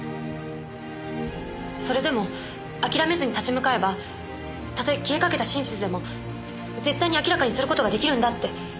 それでも諦めずに立ち向かえばたとえ消えかけた真実でも絶対に明らかにする事ができるんだって。